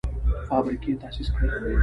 فابریکې تاسیس کړي.